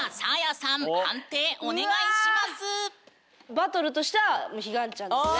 バトルとしては彼岸ちゃんですね。